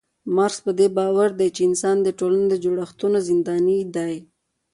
مارکس پدې باور دی چي انسان د ټولني د جوړښتونو زنداني دی